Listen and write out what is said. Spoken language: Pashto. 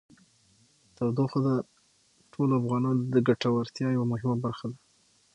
تودوخه د ټولو افغانانو د ګټورتیا یوه مهمه برخه ده.